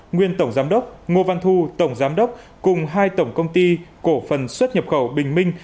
nguyên tổng giám đốc ngô văn thu tổng giám đốc cùng hai tổng công ty cổ phần xuất nhập khẩu bình minh